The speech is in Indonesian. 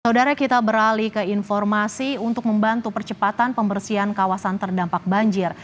saudara kita beralih ke informasi untuk membantu percepatan pembersihan kawasan terdampak banjir